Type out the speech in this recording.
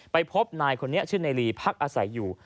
พบนายคนนี้ชื่อนายลีพักอาศัยอยู่